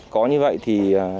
có như vậy thì